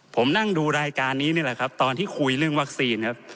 ผมนั่งดูรายการนี้นี่แหละครับตอนที่คุยเรื่องวัคซีนครับ